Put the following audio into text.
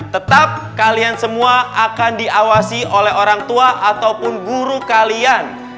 tetap kalian semua akan diawasi oleh orang tua ataupun guru kalian